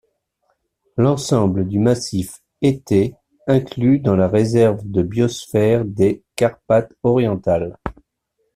L'ensemble du massif été inclus dans la réserve de biosphère des Carpates orientales.